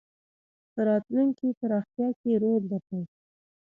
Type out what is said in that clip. په راتلونکې پراختیا کې رول درلود.